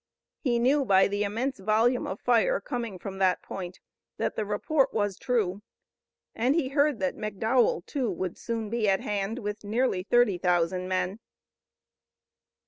He knew by the immense volume of fire coming from that point that the report was true, and he heard that McDowell, too, would soon be at hand with nearly thirty thousand men.